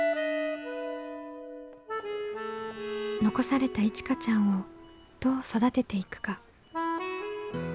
残されたいちかちゃんをどう育てていくか。